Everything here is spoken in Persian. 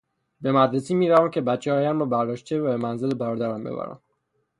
به مدرسه میروم که بچههایم را برداشته و به منزل برادرم ببرم.